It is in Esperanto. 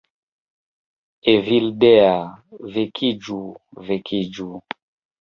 "Evildea... vekiĝu... vekiĝu..."